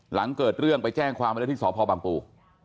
หลังเกิดเรื่องไปแจ้งความเวลาที่สอบพ่อบังปู